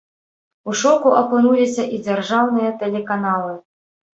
У шоку апынуліся і дзяржаўныя тэлеканалы.